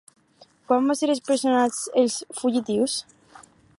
Quan van ser empresonats els fugitius?